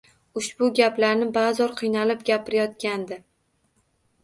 Ushbu gaplarni bazo'r qiynalib gapirayotgandi